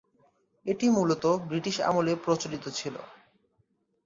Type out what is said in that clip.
এটি মূলত ব্রিটিশ আমলে প্রচলিত ছিল।